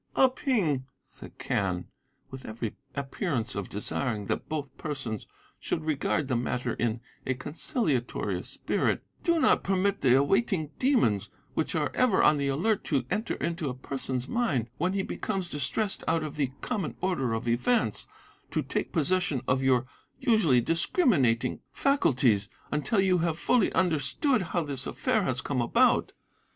"'Ah Ping,' said Quen, with every appearance of desiring that both persons should regard the matter in a conciliatory spirit, 'do not permit the awaiting demons, which are ever on the alert to enter into a person's mind when he becomes distressed out of the common order of events, to take possession of your usually discriminating faculties until you have fully understood how this affair has come about.